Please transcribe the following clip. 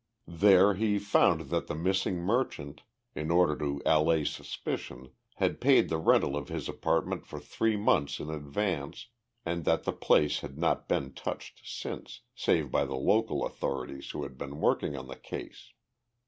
There he found that the missing merchant, in order to allay suspicion, had paid the rental of his apartment for three months in advance, and that the place had not been touched since, save by the local authorities who had been working on the case.